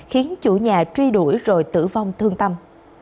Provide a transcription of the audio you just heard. khiến chủ nhà truy đuổi rồi tử vong thương tâm